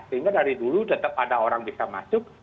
sehingga dari dulu tetap ada orang bisa masuk